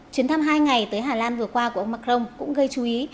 chuyến thăm hai ngày tới hà lan vừa qua của ông macron cũng gây chú ý